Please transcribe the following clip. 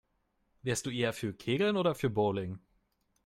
Wärst du eher für Kegeln oder für Bowling?